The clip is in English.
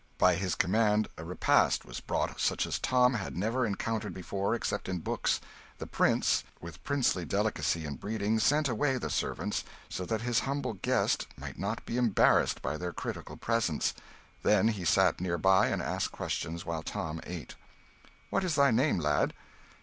By his command a repast was brought such as Tom had never encountered before except in books. The prince, with princely delicacy and breeding, sent away the servants, so that his humble guest might not be embarrassed by their critical presence; then he sat near by, and asked questions while Tom ate. "What is thy name, lad?"